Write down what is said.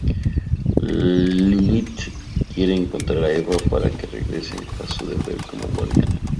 Lilith quiere encontrar a Eve para que regrese a su deber como guardiana.